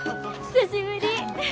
久しぶり。